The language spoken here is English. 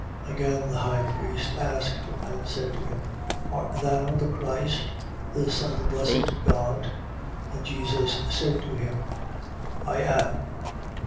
Again the high priest asked him and said to him: Art thou the Christ, the Son of the Blessed God? 14:62. And Jesus said to him: I am.